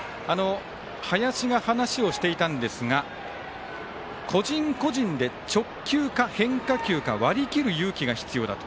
林が話をしていたんですが個人個人で直球か、変化球か割り切る勇気が必要だと。